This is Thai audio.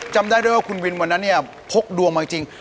จำได้ด้วยว่าคุณวินวันนั้นเนี่ยพกดวงมาจริง